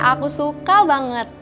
aku suka banget